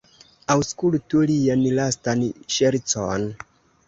Aŭskultu lian lastan ŝercon!